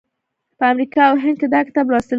په امریکا او هند کې دا کتاب لوستل کیږي.